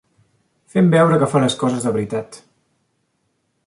Fent veure que fa les coses de veritat.